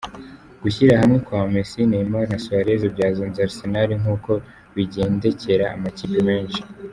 Gushyira hamwe kwa Messi, Neymar na Suarez byazonze Arsenal nk’uko bigendekera amakipe menshi.